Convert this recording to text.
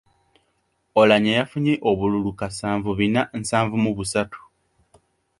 Oulanyah yafunye obululu kasanvu bina nsanvu mu busatu.